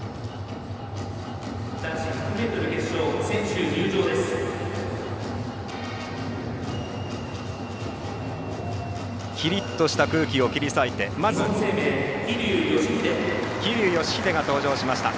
キリッとした空気を切り裂いてまず、桐生祥秀が登場しました。